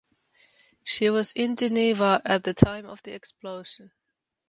She was in Geneva at the time of the explosion.